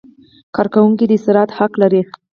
کارکوونکی د استراحت حق لري.